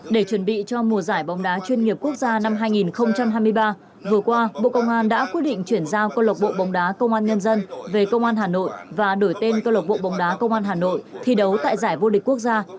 để chuẩn bị cho mùa giải bóng đá chuyên nghiệp quốc gia năm hai nghìn hai mươi ba vừa qua bộ công an đã quyết định chuyển giao công lộc bộ bóng đá công an nhân dân về công an hà nội và đổi tên cơ lộng bộ bóng đá công an hà nội thi đấu tại giải vô địch quốc gia